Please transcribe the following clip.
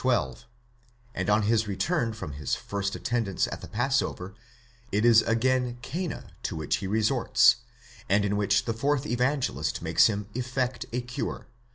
12); and on his return from his first attendance at the passover, it is again Cana to which he resorts and in which the fourth Evangelist makes him effect a cure (iv.